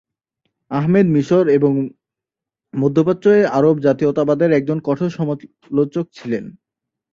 আহমেদ মিশর এবং মধ্যপ্রাচ্য এ আরব জাতীয়তাবাদের একজন কঠোর সমালোচক ছিলেন।